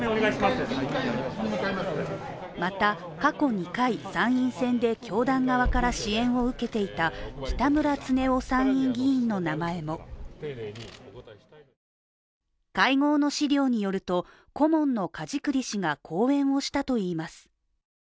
また、過去２回、参院選で教団側から支援を受けていた北村経夫参院議員の名前も会合の資料によると顧問の梶栗氏が講演をしたといいます。